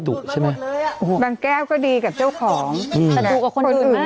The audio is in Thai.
ดุใช่ไหมโอ้โหบางแก้วก็ดีกับเจ้าของอืมแต่ดูกับคนอื่นมาก